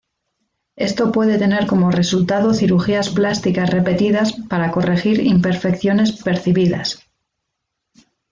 Esto puede tener como resultado cirugías plásticas repetidas para corregir imperfecciones percibidas.